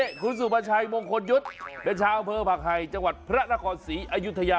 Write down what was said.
นี้คุณสูบาชัยมงคลยุดเดชาเพอร์ผักไฮจังหวัดพระนกษีอายุทยา